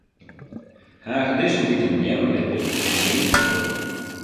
Hagedissen dy't yn beammen libje, binne grien fan kleur.